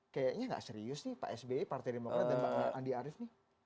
kayaknya nggak serius nih pak sby partai demokrat dan pak andi arief nih